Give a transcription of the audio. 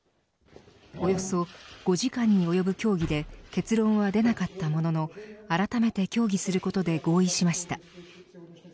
およそ５時間に及ぶ協議で結論は出なかったもののあらためて協議することで合意しました。